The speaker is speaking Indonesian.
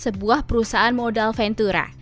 sebuah perusahaan modal ventura